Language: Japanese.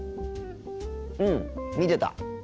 うん見てた。